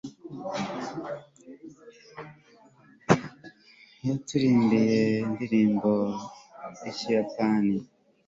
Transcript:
yaturirimbiye indirimbo yikiyapani